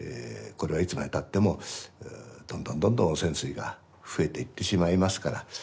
これはいつまでたってもどんどんどんどん汚染水が増えていってしまいますから。